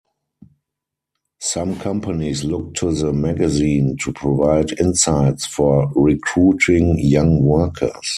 Some companies looked to the magazine to provide insights for recruiting young workers.